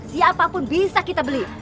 siapapun bisa kita beli